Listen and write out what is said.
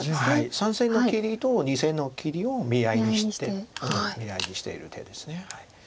３線の切りと２線の切りを見合いにしている手です。